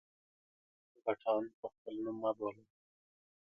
_غټان په خپل نوم مه بوله!